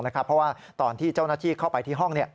เพราะว่าตอนที่เจ้าหน้าที่เข้าไปที่ห้อง